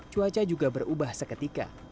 cuaca juga berubah seketika